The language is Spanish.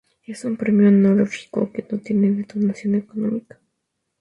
Es un premio honorífico que no tiene dotación económica.